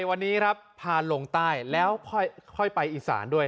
วันนี้ครับพาลงใต้แล้วค่อยไปอีสานด้วย